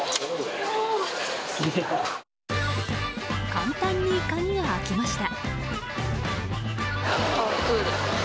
簡単に鍵が開きました。